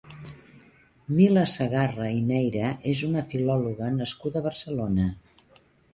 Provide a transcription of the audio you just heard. Mila Segarra i Neira és una filòloga nascuda a Barcelona.